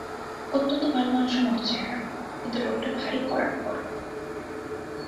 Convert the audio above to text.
অত্যন্ত ভালোমানুষের মতো চেহারা, কিন্তু লোকটা ভারি কড়াক্কড়।